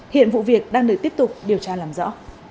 hiện vụ việc đang được tiếp tục điều tra làm rõ